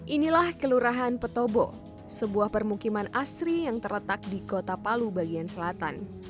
inilah kelurahan petobo sebuah permukiman asri yang terletak di kota palu bagian selatan